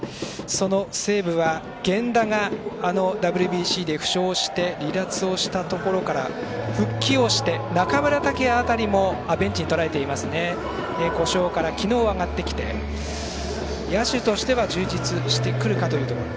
その西武は源田がＷＢＣで負傷をして離脱をしたところから復帰をして中村剛也辺りも故障から昨日上がってきて野手としては充実してくるところ。